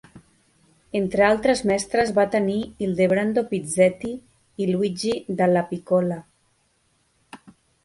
Entre altres mestres va tenir Ildebrando Pizzetti i Luigi Dallapiccola.